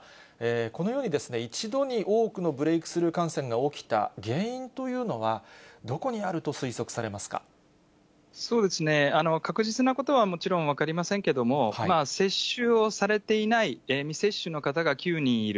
このように、１度に多くのブレイクスルー感染が起きた原因というのは、どこに確実なことはもちろん分かりませんけれども、接種をされていない未接種の方が９人いる。